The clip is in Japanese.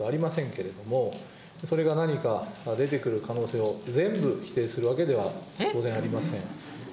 けれども、それが何か出てくる可能性を全部否定するわけでは、当然ありません。